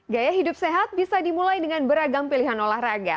gaya hidup sehat bisa dimulai dengan beragam pilihan olahraga